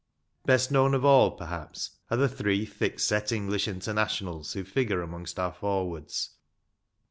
Best known of all, per haps, are the three thick set English Internationals who figure amongst our forwards.